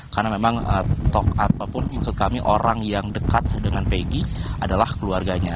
karena memang tok apapun untuk kami orang yang dekat dengan pegi adalah keluarganya